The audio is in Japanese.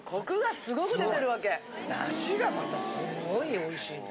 だしがまたすごいおいしいんだ。